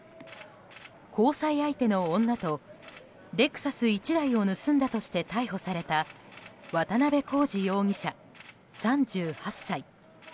交際相手の女とレクサス１台を盗んだとして逮捕された渡邉功二容疑者、３８歳。